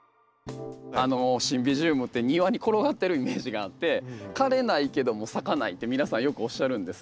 シンビジウムって庭に転がってるイメージがあって枯れないけども咲かないって皆さんよくおっしゃるんです。